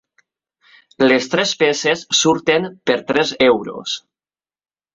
Les tres peces surten per tres euros.